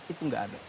itu enggak ada